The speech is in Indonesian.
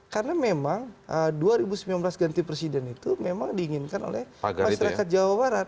karena memang dua ribu sembilan belas ganti presiden itu memang diinginkan oleh masyarakat jawa barat